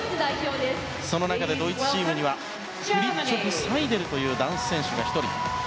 その中でドイツチームにはサイデルという男子選手が１人。